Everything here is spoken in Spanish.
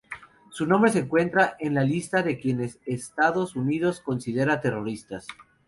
Su nombre se encuentra en la lista de quienes Estados Unidos considera terroristas.